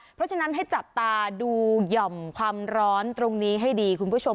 เพราะฉะนั้นให้จับตาดูหย่อมความร้อนตรงนี้ให้ดีคุณผู้ชม